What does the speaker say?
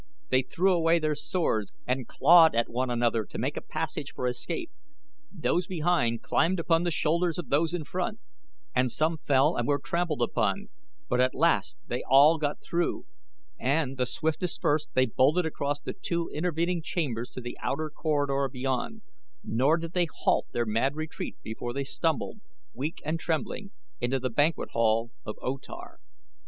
They threw away their swords and clawed at one another to make a passage for escape; those behind climbed upon the shoulders of those in front; and some fell and were trampled upon; but at last they all got through, and, the swiftest first, they bolted across the two intervening chambers to the outer corridor beyond, nor did they halt their mad retreat before they stumbled, weak and trembling, into the banquet hall of O Tar.